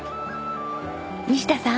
西田さん！